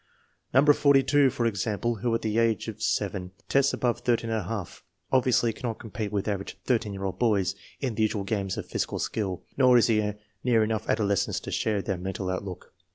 No. 42, for example, who at the age of 7 tests above ISi, obviously cannot compete with average 13 year old boys in the usual games of physi cal skill, nor is he near enough adolescence to share their mental outlook.